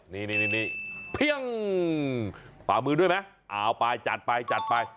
นี่เพียงฝ่ามือด้วยไหมเอาไปจัดไปจัดไป